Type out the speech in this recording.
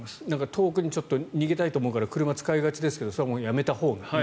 遠くに逃げたいから車使いがちですがそれはやめたほうがいいと。